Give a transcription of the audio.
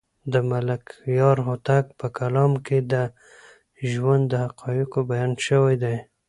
د ملکیار هوتک په کلام کې د ژوند د حقایقو بیان شوی دی.